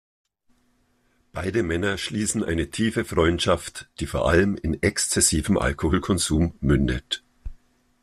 Beide Männer schließen eine tiefe Freundschaft, die vor allem in exzessivem Alkoholkonsum mündet.